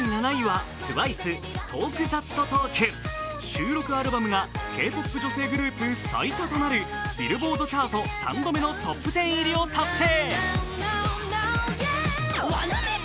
収録アルバムがＫ−ＰＯＰ女性グループ最多となるビルボード・チャート３度目のトップ１０入りを達成。